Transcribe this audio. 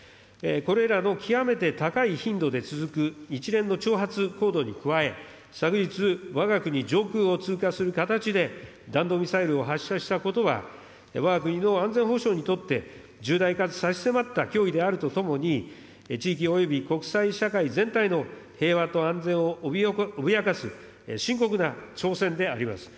これらの極めて高い頻度で続く一連の挑発行動に加え、昨日、わが国上空を通過する形で弾道ミサイルを発射したことは、わが国の安全保障にとって、重大かつ差し迫った脅威であるとともに、地域および国際社会全体の平和と安全を脅かす深刻な挑戦であります。